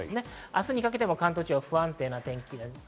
明日にかけても関東地方、不安定な天気です。